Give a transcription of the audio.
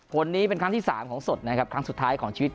พนนี้เป็นครั้งที่สามของสตครั้งสุดท้ายของชีวิต